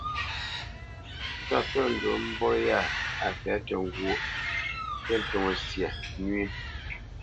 Zât pə̂ ndǔ mbot yâ a fɛ̌ tʉ́ ŋgwóʼ, ŋgê ntóŋə́ syâ nwē.